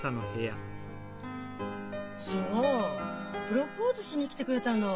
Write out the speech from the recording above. プロポーズしに来てくれたの。